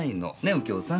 右京さん。